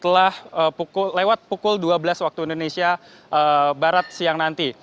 setelah lewat pukul dua belas waktu indonesia barat siang nanti